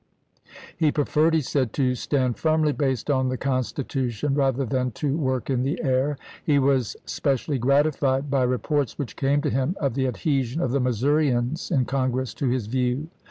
He preferred, he said, " to stand firmly based on the Constitution rather than to work in the air." He was specially gratified by reports which came to him of the adhesion of the Missourians in Congress to his view.